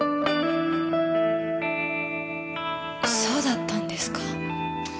そうだったんですか。